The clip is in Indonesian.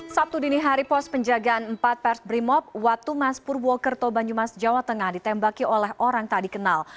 sabtu dini hari pos penjagaan empat pers brimob watumas purwokerto banyumas jawa tengah ditembaki oleh orang tak dikenal